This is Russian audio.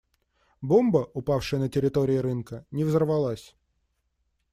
Бомба, упавшая на территории рынка, не взорвалась.